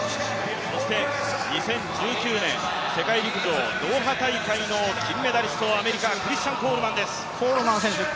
２０１９年、世界陸上ドーハ大会の金メダリスト、アメリカ、クリスチャン・コールマン選手です。